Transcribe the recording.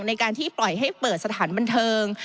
ในการที่ปล่อยให้เปิดสถานบันเทิง